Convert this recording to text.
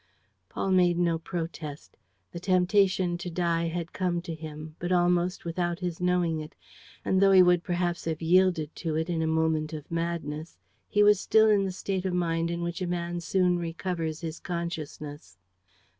Paul made no protest. The temptation to die had come to him, but almost without his knowing it; and, though he would perhaps have yielded to it, in a moment of madness, he was still in the state of mind in which a man soon recovers his consciousness.